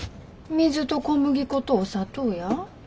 水と小麦粉とお砂糖や。